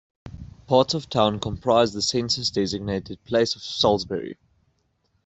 Parts of town comprise the census-designated place of Salisbury.